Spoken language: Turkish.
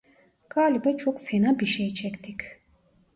Galiba çok fena bir şey çektik!